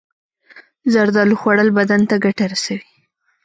زردالو خوړل بدن ته ګټه رسوي.